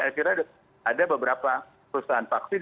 saya kira ada beberapa perusahaan vaksin